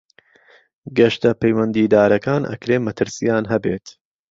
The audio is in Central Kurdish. گەشتە پەیوەندیدارەکان ئەکرێ مەترسیان هەبێت.